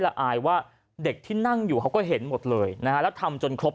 อายว่าเด็กที่นั่งอยู่เขาก็เห็นหมดเลยนะฮะแล้วทำจนครบ